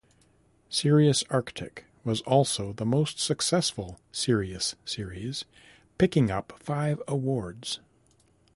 "Serious Arctic" was also the most successful "Serious" series picking up five awards.